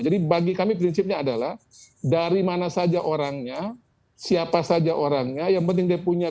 jadi bagi kami prinsipnya adalah dari mana saja orangnya siapa saja orangnya yang penting dia punya